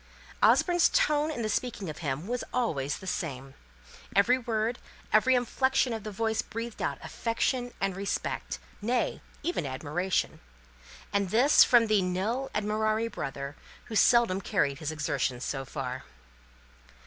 Osborne's tone in speaking of him was always the same: every word, every inflection of the voice breathed out affection and respect nay, even admiration! And this from the nil admirari brother, who seldom carried his exertions so far.